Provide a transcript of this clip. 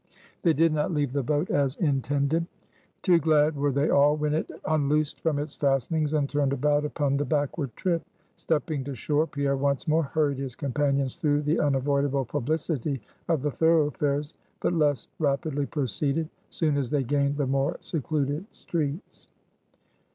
They did not leave the boat as intended; too glad were they all, when it unloosed from its fastenings, and turned about upon the backward trip. Stepping to shore, Pierre once more hurried his companions through the unavoidable publicity of the thoroughfares; but less rapidly proceeded, soon as they gained the more secluded streets.